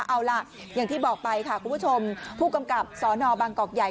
เอาล่ะอย่างที่บอกไปค่ะคุณผู้ชมผู้กำกับสนบางกอกใหญ่